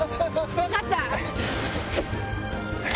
分かった！